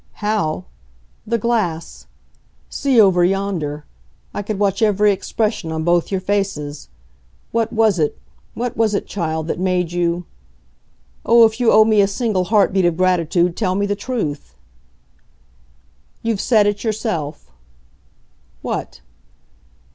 "How? The glass. See over yonder. I could watch every expression on both your faces. What was it what was it, child, that made you oh, if you owe me a single heart beat of gratitude, tell me the truth!" "You've said it yourself." "What?"